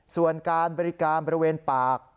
ส่วนการบริการบริเวณปาก